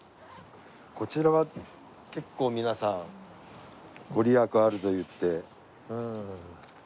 こちらは結構皆さん御利益あるといって。